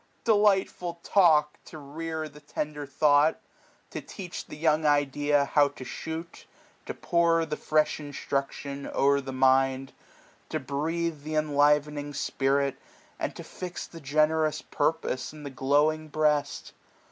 Delightful talk ! to rear the tender thought. To teach the young idea how to shoot, 1 150 To pour the fresh instruction o'er the mind^ To breathe th' enlivening spirit, and to fix The generous purpofe in the glowing breast.